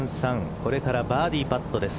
これからバーディーパットです。